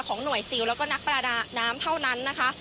หน่วยซิลแล้วก็นักประดาน้ำเท่านั้นนะคะ